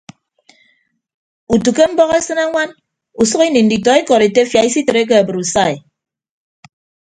Utu ke mbọk esịne añwan usʌk ini nditọ ikọd etefia isitreke abrusai.